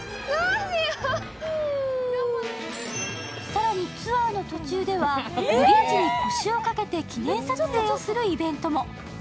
更に、ツアーの途中では、ブリッジに腰をかけて記念撮影をするイベントも。